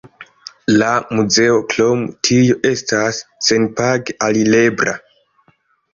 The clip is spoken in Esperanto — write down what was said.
La muzeo krom tio estas senpage alirebla.